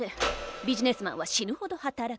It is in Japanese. ビジネスマンは死ぬほど働く。